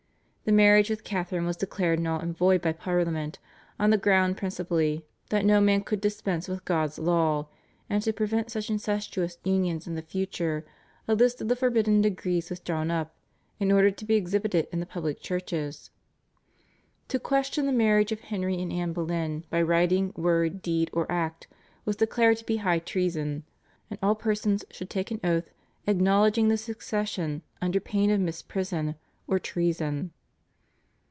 The marriage with Catharine was declared null and void by Parliament on the ground principally that no man could dispense with God's law, and to prevent such incestuous unions in the future a list of the forbidden degrees was drawn up, and ordered to be exhibited in the public churches. To question the marriage of Henry with Anne Boleyn by writing, word, deed, or act was declared to be high treason, and all persons should take an oath acknowledging the succession under pain of misprision of treason.